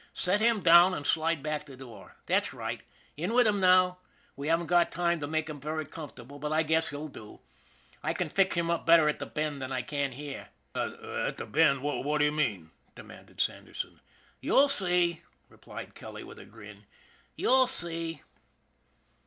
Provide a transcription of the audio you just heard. " Set him down and slide back the door. That's right. In with him now. We haven't got time to make him very comfortable, but I guess he'll do. I can fix him up better at the Bend than I can here." "At the Bend? What d'ye mean?" demanded Sanderson. " You'll see," replied Kelly, with a grin. " You'll see."